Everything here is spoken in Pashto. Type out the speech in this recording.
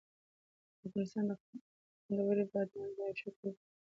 افغانستان د خپلو خوندورو بادامو لپاره یو ښه کوربه دی.